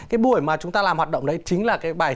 cái buổi mà chúng ta làm hoạt động đấy chính là cái bài